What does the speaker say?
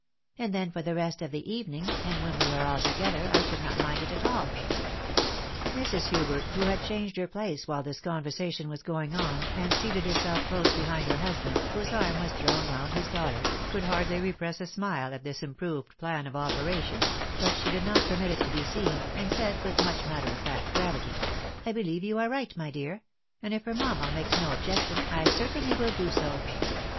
And then, for the rest of the evening, and when we were all together, I should not mind it at all." Mrs. Hubert, who had changed her place while this conver sation was going cm, and seated herself close behind her husband, whose arm was thrown round his daughter, could hardly repress a smile at this improved plan of operations, but she did not permit it to be seen, and said, with much matter of fact gravity, " I believe you are right, my dear ; and if her mamma makes no objection, I certainly will do so.